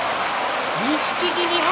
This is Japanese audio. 錦木２敗。